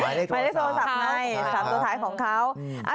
หมายเลขโทรศัพท์ไงสามโทรศัพท์ของเขา